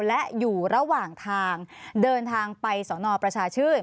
และอยู่ระหว่างทางเดินทางไปสนประชาชื่น